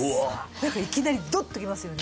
何かいきなりドッときますよね